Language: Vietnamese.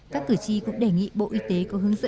các cử tri cũng đề nghị bộ y tế có hướng dẫn